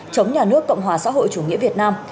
chống nhà nước cộng hòa xã hội chủ nghĩa việt nam